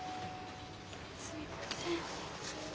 すみません。